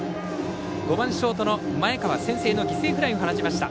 ５番ショートの前川先制の犠牲フライを放ちました。